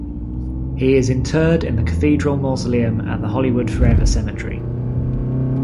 He is interred in the Cathedral Mausoleum at the Hollywood Forever Cemetery.